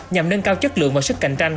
nhằm nâng cao chất lượng và sức cạnh tranh